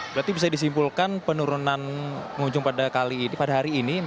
berarti bisa disimpulkan penurunan pengunjung pada hari ini